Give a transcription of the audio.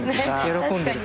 喜んでる。